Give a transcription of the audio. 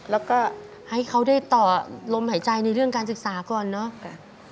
แล้วก็ให้เขาได้ต่อลมหายใจในเรื่องการศึกษาก่อนเนาะ